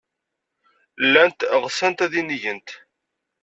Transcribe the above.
Llant ɣsent ad inigent.